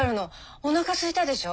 おなかすいたでしょ？